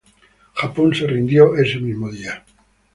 Japón se rindió ese mismo día.